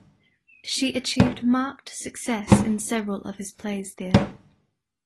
She achieved marked success in several of his plays there.